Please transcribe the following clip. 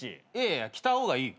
いや着た方がいい。